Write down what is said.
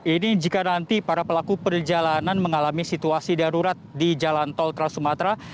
ini jika nanti para pelaku perjalanan mengalami situasi darurat di jalan tol trans sumatra